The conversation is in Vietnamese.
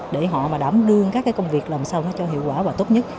để họ mà đảm đương các cái công việc làm sao nó cho hiệu quả và tốt nhất